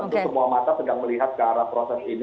itu semua mata sedang melihat ke arah proses ini